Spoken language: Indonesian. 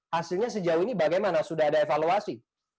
hasilnya sejauh ini bagaimana sudah ada evaluasi